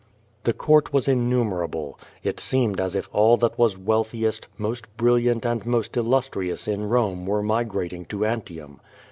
The court was innumerable. It seemed as if all that was wealthiest, most brilliant and most illustrious in Rome were migrating to Antium.